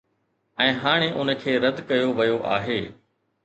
۽ هاڻي ان کي رد ڪيو ويو آهي.